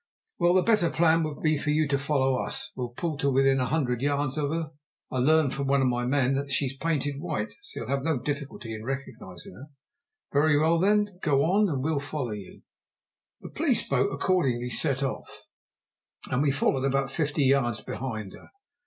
"Well, the better plan would be for you to follow us. We'll pull to within a hundred yards of her. I learn from one of my men here that she's painted white, so you'll have no difficulty in recognizing her." "Very well, then, go on, and we'll follow you." The police boat accordingly set off, and we followed about fifty yards behind her.